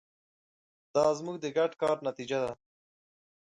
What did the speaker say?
دا زموږ د ګډ کار نتیجه ده.